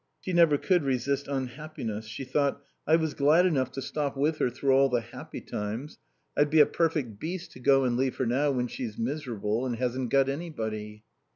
She never could resist unhappiness. She thought: "I was glad enough to stop with her through all the happy times. I'd be a perfect beast to go and leave her now when she's miserable and hasn't got anybody."